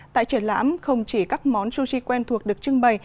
tại triển lãm không chỉ các món sushi quen thuộc được trưng bày